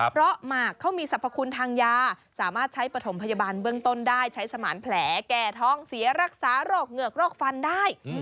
เพราะหมากเขามีสรรพคุณทางยาสามารถใช้ปฐมพยาบาลเบื้องต้นได้ใช้สมานแผลแก่ท้องเสียรักษาโรคเหงือกโรคฟันได้